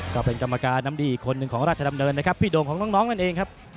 ก็เป็นกรรมการน้ำดีอีกคนหนึ่งของราชดำเนินนะครับพี่โด่งของน้องนั่นเองครับ